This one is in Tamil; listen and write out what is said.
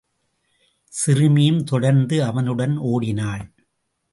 சிறுமியும் தொடர்ந்து அவனுடன் ஒடினாள்.